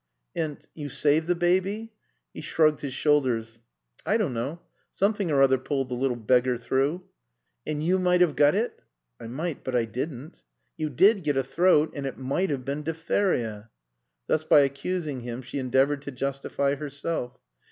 "And you saved the baby?" He shrugged his shoulders. "I don't know. Some thing or other pulled the little beggar through." "And you might have got it?" "I might but I didn't." "You did get a throat. And it might have been diphtheria." Thus by accusing him she endeavored to justify herself.